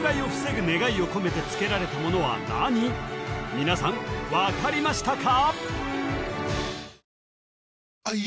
皆さん分かりましたか？